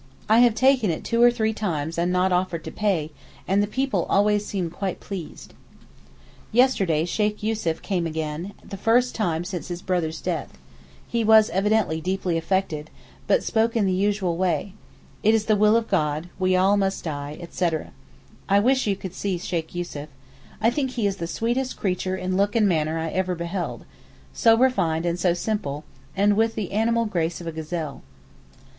I have taken it two or three times and not offered to pay, and the people always seem quite pleased. Yesterday Sheykh Yussuf came again, the first time since his brother's death; he was evidently deeply affected, but spoke in the usual way, 'It is the will of God, we must all die,' etc. I wish you could see Sheykh Yussuf. I think he is the sweetest creature in look and manner I ever beheld—so refined and so simple, and with the animal grace of a gazelle.